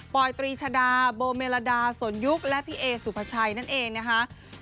อยตรีชดาโบเมลดาสนยุคและพี่เอสุภาชัยนั่นเองนะคะ